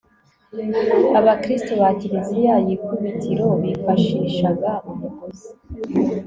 abakristu ba kiliziya y'ikubitiro bifashishaga umugozi